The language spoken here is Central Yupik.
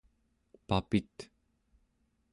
papit